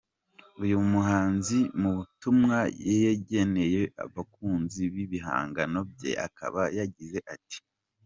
Uyu muhanzi mu butumwa yageneye abakunzi b’ibihangano bye akaba yagize ati:.